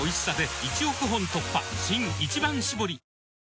新「一番搾り」